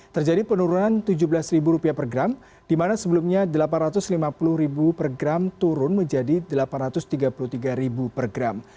terjadi penurunan rp tujuh belas per gram di mana sebelumnya rp delapan ratus lima puluh per gram turun menjadi rp delapan ratus tiga puluh tiga per gram